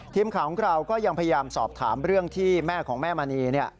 ทีมข่าวของเราก็ยังพยายามสอบถามเรื่องที่แม่ของแม่มณี